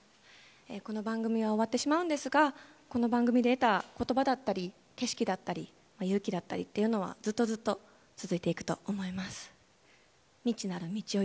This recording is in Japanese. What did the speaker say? この番組は終わってしまうんですが、この番組で得た言葉だったり、景色だったり、勇気だったりは、ずっとずっと続いていくと思います。